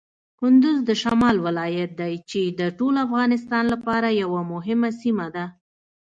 کندز د شمال ولایت دی چې د ټول افغانستان لپاره یوه مهمه سیمه ده.